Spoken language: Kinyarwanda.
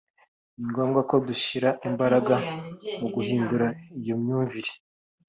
Ni ngombwa ko dushyira imbaraga mu guhindura iyo myumvire